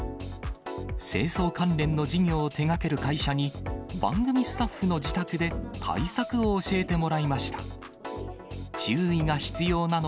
清掃関連の事業を手がける会社に、番組スタッフの自宅で、対策を教えてもらいました。